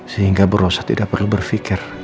sehingga berdosa tidak perlu berpikir